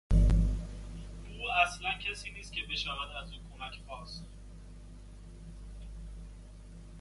او اصلا کسی نیست که بشود از او کمک خواست.